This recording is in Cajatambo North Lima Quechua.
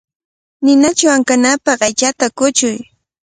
Ninachaw ankanapaq aychata kuchuy.